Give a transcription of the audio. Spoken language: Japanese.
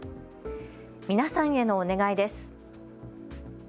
皆さんへのお願いです。